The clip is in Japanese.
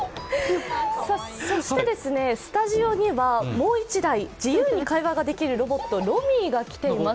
そしてスタジオにはもう一台、自由に会話ができるロボット、ロミィが来ています。